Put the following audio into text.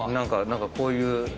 何かこういう。